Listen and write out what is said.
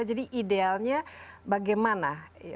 jadi idealnya bagaimana